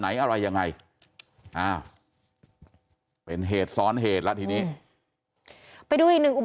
อะไรยังไงเป็นเหตุซ้อนเหตุแล้วทีนี้